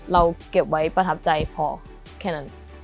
เราเก็บไว้ประทับใจพอแค่นั้น